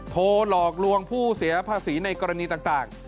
หลอกลวงผู้เสียภาษีในกรณีต่าง